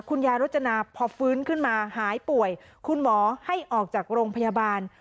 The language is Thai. รจนาพอฟื้นขึ้นมาหายป่วยคุณหมอให้ออกจากโรงพยาบาล